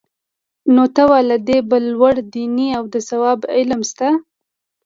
نو ته وا له دې بل لوړ دیني او د ثواب علم شته؟